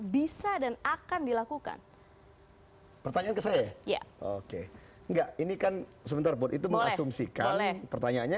bisa dan akan dilakukan pertanyaan ke saya ya oke enggak ini kan sebentar pun itu mengasumsikan pertanyaannya